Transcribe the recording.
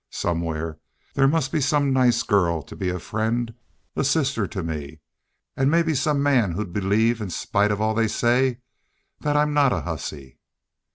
Somewhere there must be some nice girl to be a friend a sister to me.... And maybe some man who'd believe, in spite of all they say that I'm not a hussy."